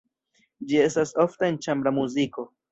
Ĝi estas ofta en ĉambra muziko.